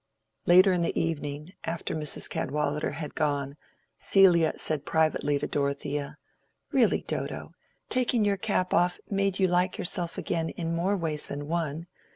Later in the evening, after Mrs. Cadwallader was gone, Celia said privately to Dorothea, "Really, Dodo, taking your cap off made you like yourself again in more ways than one.